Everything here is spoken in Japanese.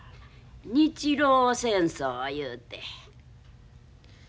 日露戦争いうて。